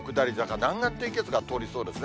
南岸低気圧が通りそうですね。